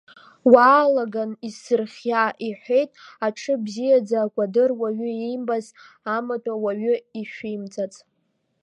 Уаалаган исзырхиа, — иҳәеит, аҽы бзиаӡа, акәадыр уаҩы иимбац, амаҭәа уаҩы ишәимҵац.